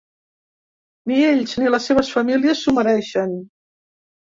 Ni ells, ni les seves famílies s'ho mereixen.